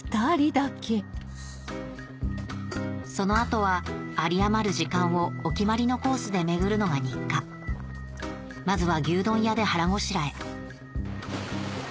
その後は有り余る時間をお決まりのコースで巡るのが日課まずは牛丼屋で腹ごしらえ